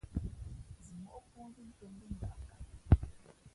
Zimóʼ pōōnzʉ̌ ntōm mbí ngaʼkaʼ.